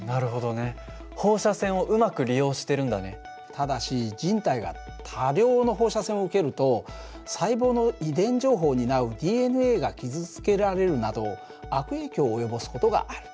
ただし人体が多量の放射線を受けると細胞の遺伝情報を担うＤＮＡが傷つけられるなど悪影響を及ぼす事がある。